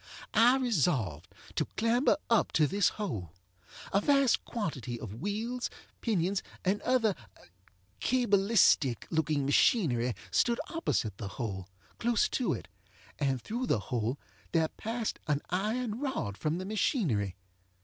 I resolved to clamber up to this hole. A vast quantity of wheels, pinions, and other cabalistic looking machinery stood opposite the hole, close to it; and through the hole there passed an iron rod from the machinery.